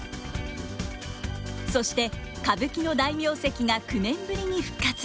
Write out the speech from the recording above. そして歌舞伎の大名跡が９年ぶりに復活！